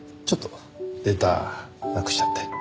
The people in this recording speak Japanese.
ちょっとデータなくしちゃって。